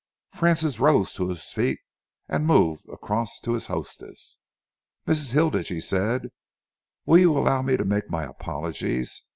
Francis rose to his feet and moved across to his hostess. "Mrs. Hilditch," he said, "will you allow me to make my apologies?